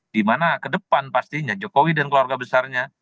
dimana ke depan pastinya jokowi dan keluarga besarnya